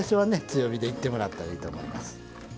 強火でいってもらったらいいと思います。